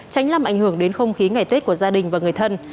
tránh làm ảnh hưởng đến không khí ngày tết của gia đình và người thân